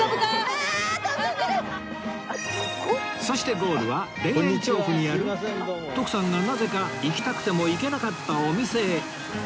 そしてゴールは田園調布にある徳さんがなぜか行きたくても行けなかったお店へ